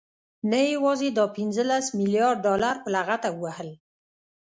نه يوازې دا پنځلس مليارده ډالر په لغته ووهل،